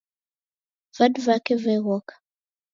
Vadu vake vegh'oka